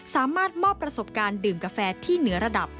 สามารถมอบประสบการณ์ดื่มกาแฟที่เหนือระดับ